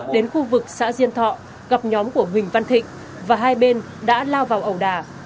đến khu vực xã diên thọ gặp nhóm của huỳnh văn thịnh và hai bên đã lao vào ẩu đà